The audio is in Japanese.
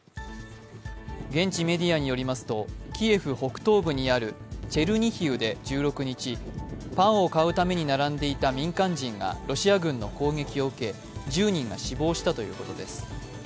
現地メディアによりますと、キエフ北東部にあるチェルニヒウで１６日、パンを買うために並んでいた民間人がロシア軍の攻撃を受け１０人が死亡したということです。